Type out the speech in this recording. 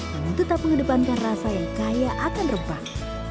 namun tetap mengedepankan rasa yang kaya akan rempah